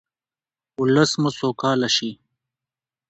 ولس مو سوکاله شي.